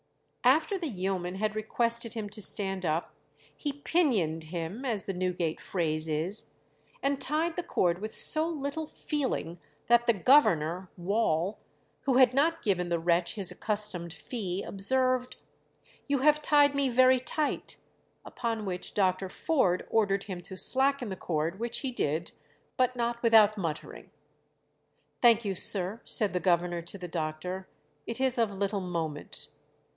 After the yeoman had requested him to stand up, 'he pinioned him,' as the Newgate phrase is, and tied the cord with so little feeling that the governor (Wall), who had not given the wretch his accustomed fee, observed, 'You have tied me very tight,' upon which Dr. Forde ordered him to slacken the cord, which he did, but not without muttering. 'Thank you, sir,' said the governor to the doctor, 'it is of little moment.'